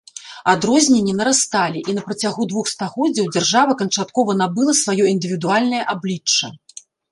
Адрозненні нарасталі, і на працягу двух стагоддзяў дзяржава канчаткова набыла сваё індывідуальнае аблічча.